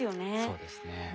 そうですね。